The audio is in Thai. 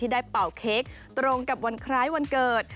ได้เป่าเค้กตรงกับวันคล้ายวันเกิด